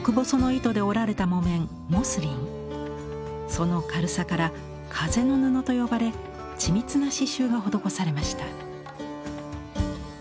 その軽さから「風の布」と呼ばれ緻密な刺繍が施されました。